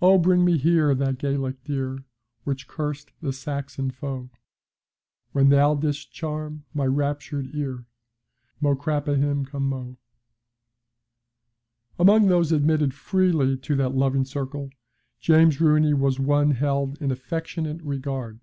Oh, bring me here that Gaelic dear Which cursed the Saxon foe. When thou didst charm my raptured ear Mo craoibhin cno! Among those admitted freely to that loving circle, James Rooney was one held in affectionate regard.